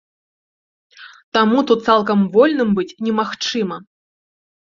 Таму тут цалкам вольным быць немагчыма.